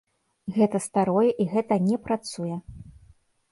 Гэта старое і гэта не працуе.